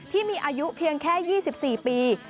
ที่มีอายุเพียงแค่๒๔ปี